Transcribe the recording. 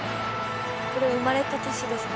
これ生まれた年ですね。